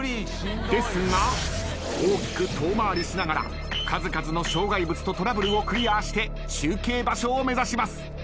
ですが大きく遠回りしながら数々の障害物とトラブルをクリアして中継場所を目指します。